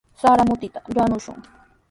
Sarata mutita yanukushun.